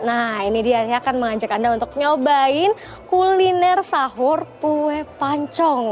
nah ini dia saya akan mengajak anda untuk nyobain kuliner sahur kue pancong